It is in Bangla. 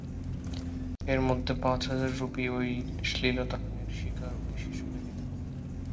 এর মধ্যে পাঁচ হাজার রুপি ওই শ্লীলতাহানির শিকার ওই শিশুকে দিতে হবে।